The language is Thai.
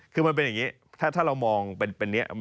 คือมันเป็นอย่างนี้ถ้าเรามองเป็นนี้